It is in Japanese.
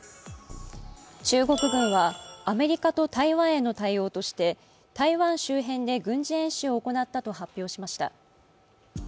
中国軍は、アメリカと台湾への対応として台湾周辺で軍事演習を行ったと発表しました。